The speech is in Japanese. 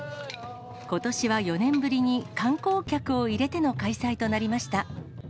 ことしは４年ぶりに、観光客を入れての開催となりました。